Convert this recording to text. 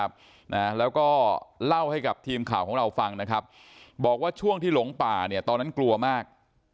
นะแล้วก็เล่าให้กับทีมข่าวของเราฟังนะครับบอกว่าช่วงที่หลงป่าเนี่ยตอนนั้นกลัวมาก